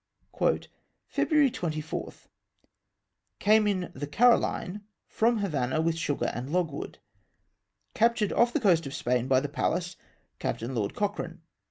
'^February 24. — Came in the Caroline from Havanah with sugar and logwood. Captured off the coast of Spain by the Pallas, Captain Lord Cochrane.